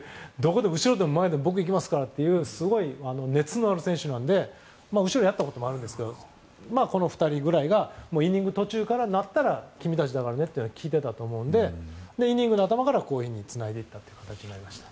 後ろでも前でも僕、行きますからと熱のある選手なので後ろでやったこともあるんですけどこの２人がイニング途中からになったら君たちだからねというのは聞いていたと思うのでイニングの頭からこういうつなぎになりました。